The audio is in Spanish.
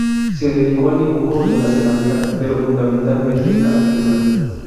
Se dedicó al dibujo y a la cerámica, pero fundamentalmente a la pintura.